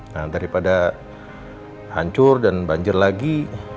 nah daripada hancur dan banjir lagi